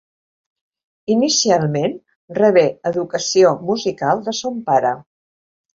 Inicialment rebé educació musical de son pare.